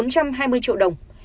bốn trăm hai mươi triệu đồng